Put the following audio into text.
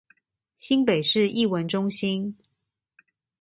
新北市藝文中心